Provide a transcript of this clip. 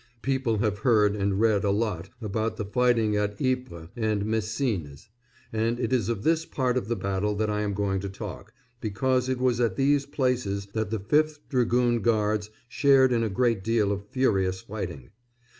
People have heard and read a lot about the fighting at Ypres and Messines, and it is of this part of the battle that I am going to talk, because it was at these places that the 5th Dragoon Guards shared in a great deal of furious fighting.